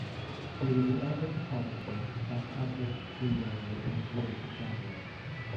He was an avid photographer, backpacker, free-diver and world traveler.